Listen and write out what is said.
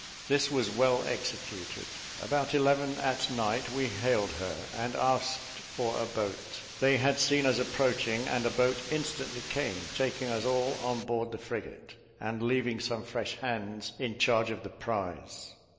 This was well executed. About eleven at night we hailed her, and asked for a boat. They had seen us approaching, and a boat instantly came, taking us all on board the frigate, and leaving some fresh hands in charge of the prize.